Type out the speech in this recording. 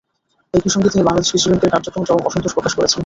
একই সঙ্গে তিনি বাংলাদেশ কৃষি ব্যাংকের কার্যক্রমে চরম অসন্তোষ প্রকাশ করেছেন।